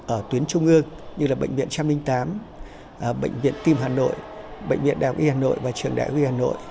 ở tuyến trung ương như là bệnh viện một trăm linh tám bệnh viện tim hà nội bệnh viện đào y hà nội